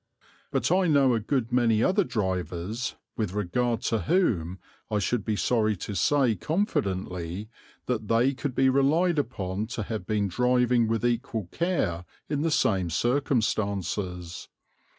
But I know a good many other drivers with regard to whom I should be sorry to say confidently that they could be relied upon to have been driving with equal care in the same circumstances.